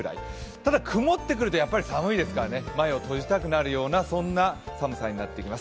ただ、曇ってくると寒いですから、前を閉じたくなるような寒さになってきます。